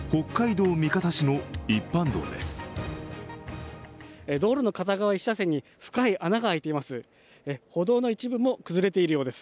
道路の片側１車線に深い穴が開いています。